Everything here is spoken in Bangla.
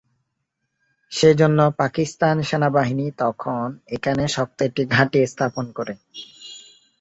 সেজন্য পাকিস্তান সেনাবাহিনী তখন এখানে শক্ত একটি ঘাঁটি স্থাপন করে।